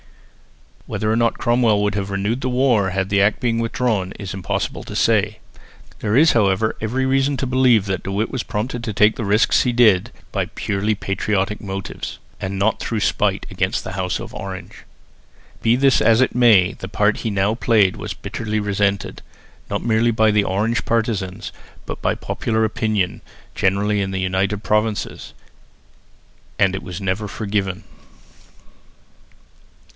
Whether or no Cromwell would have renewed the war, had the Act been withdrawn, it is impossible to say. There is, however, every reason to believe that De Witt was prompted to take the risks he did by purely patriotic motives, and not through spite against the house of Orange. Be this as it may, the part that he now played was bitterly resented, not merely by the Orange partisans, but by popular opinion generally in the United Provinces, and it was never forgiven.